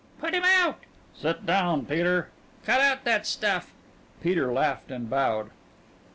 "Put him out!" "Sit down, Peter!" "Cut out that stuff!" Peter laughed and bowed.